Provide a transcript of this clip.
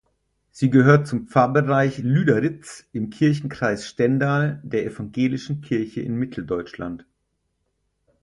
Sie gehört zum Pfarrbereich Lüderitz im Kirchenkreis Stendal der Evangelischen Kirche in Mitteldeutschland.